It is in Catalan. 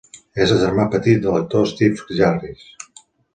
És el germà petit de l'actor Steve Harris.